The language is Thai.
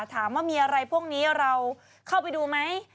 ถามว่ามีอะไรพวกนี้เราเข้าไปดูไหม